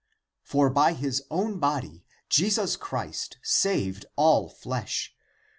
For by his own body Jesus Christ saved all flesh, 17.